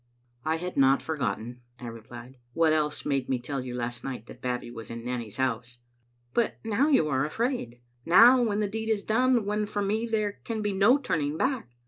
"I had not forgotten," I replied. "What else made me tell you last night that Babbie was in Nanny's house?" " But now you are afraid — now when the deed is done, when for me there can be no turning back.